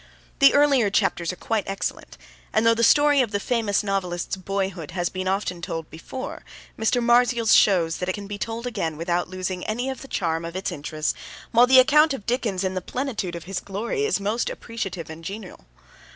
The earlier chapters are quite excellent, and, though the story of the famous novelist's boyhood has been often told before, Mr. Marzials shows that it can be told again without losing any of the charm of its interest, while the account of Dickens in the plenitude of his glory is most appreciative and genial.